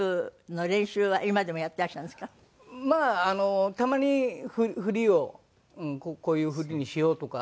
まあたまに振りをこういう振りにしようとか。